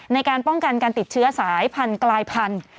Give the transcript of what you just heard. ในการป้องกันการติดเชื้อสายพันธุ์กลายพันธุ์